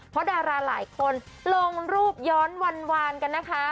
เพราะดาราหลายคนลงรูปย้อนวานกันนะคะ